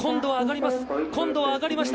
今度は上がります。